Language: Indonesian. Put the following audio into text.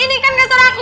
ini kan nggak serah aku